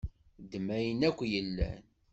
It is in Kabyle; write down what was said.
Ddem ayen akk i yellan.